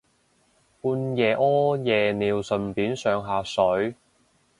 半夜屙夜尿順便上下水